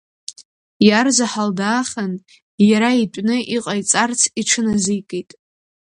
Иарзаҳал даахан, иара итәны иҟаиҵарц иҽыназикит.